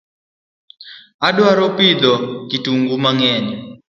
Adwaro pidho kitungu mangeny